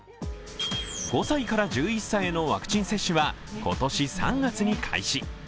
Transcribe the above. ５歳から１１歳へのワクチン接種は今年３月に開始。